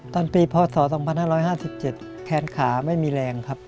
ตอนปีพศ๒๕๕๗แขนขาไม่มีแรงครับ